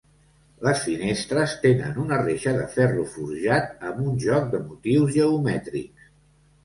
Les finestres tenen una reixa de ferro forjat amb un joc de motius geomètrics.